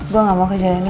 gue gak mau kejar reina